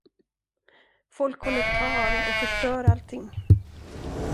Folk håller tal och förstör allting.